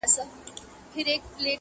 • له یوې توري بلا خلاصېږې -